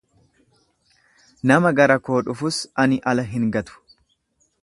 Nama gara koo dhufus ani ala hin gatu.